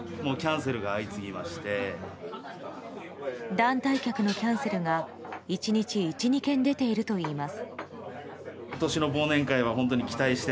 団体客のキャンセルが１日１２件出ているといいます。